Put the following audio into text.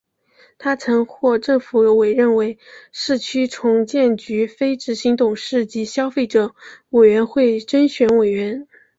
他曾获政府委任为市区重建局非执行董事及消费者委员会增选委员。